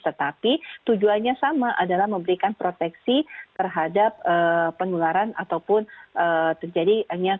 tetapi tujuannya sama adalah memberikan proteksi terhadap penularan ataupun terjadinya